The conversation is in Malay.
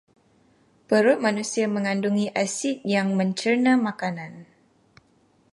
Perut manusia megandungi asid yang mencerna makanan.